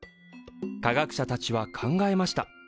科学者たちは考えました。